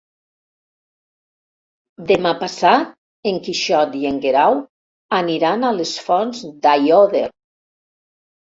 Demà passat en Quixot i en Guerau aniran a les Fonts d'Aiòder.